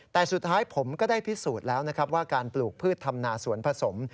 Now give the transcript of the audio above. แต่สุดท้ายผมก็ได้พิสูจน์แล้วนะครับว่าการปลูกพืชทำนาสวนผสม